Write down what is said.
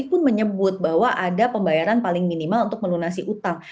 pun menyebut bahwa ada pembayaran paling minimal untuk melunasi utang